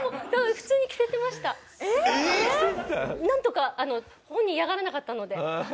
なんとかあの本人嫌がらなかったので。